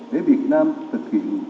để việt nam thực hiện